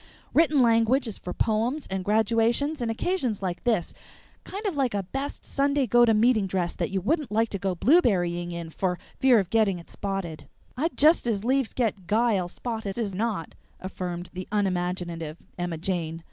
"Written language is for poems and graduations and occasions like this kind of like a best Sunday go to meeting dress that you wouldn't like to go blueberrying in for fear of getting it spotted." "I'd just as 'lieves get 'guile' spotted as not," affirmed the unimaginative Emma Jane.